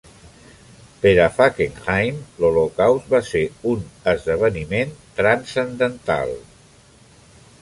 Per a Fackenheim, l'Holocaust va ser un "esdeveniment transcendental".